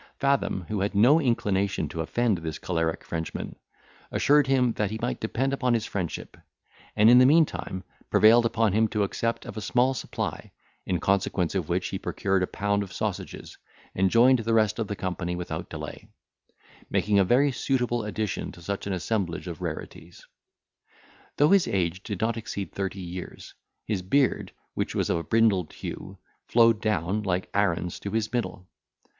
Fathom, who had no inclination to offend this choleric Frenchman, assured him that he might depend upon his friendship; and, in the meantime, prevailed upon him to accept of a small supply, in consequence of which he procured a pound of sausages, and joined the rest of the company without delay; making a very suitable addition to such an assemblage of rarities. Though his age did not exceed thirty years, his beard, which was of a brindled hue, flowed down, like Aaron's, to his middle.